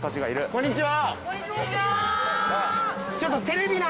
こんにちは。